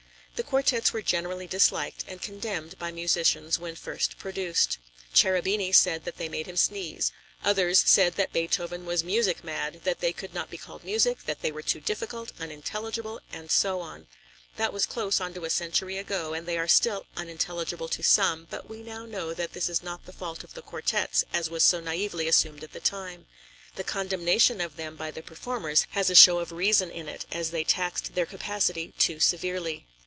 The quartets were generally disliked and condemned by musicians when first produced. Cherubini said that they made him sneeze. Others said that Beethoven was music mad, that they could not be called music, that they were too difficult, unintelligible, and so on. That was close onto a century ago, and they are still unintelligible to some, but we now know that this is not the fault of the quartets as was so naively assumed at that time. The condemnation of them by the performers has a show of reason in it as they taxed their capacity too severely.